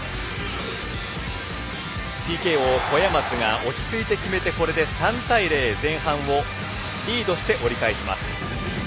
ＰＫを小屋松が落ち着いて決めてこれで３対０。前半をリードして折り返します。